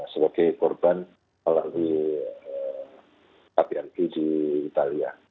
sebagai korban oleh paprg di italia